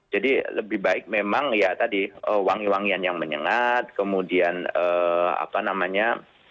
jadi lebih baik memang ya tadi wangi wangian yang menyengat and kemudian apa namanya